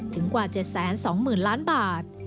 ถึงกว่า๗๒๐ล้านบาท